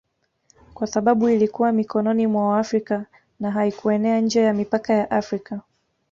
kwa sababu ilikuwa mikononi mwa Waafrika na haikuenea nje ya mipaka ya Afrika